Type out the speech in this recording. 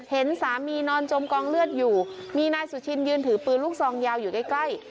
เห็นสามีนอนจมกองเลือดอยู่มีนายสุชินยืนถือปืนลูกซองยาวอยู่ใกล้